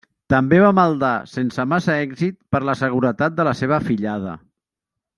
També va maldar sense massa èxit per la seguretat de la seva afillada.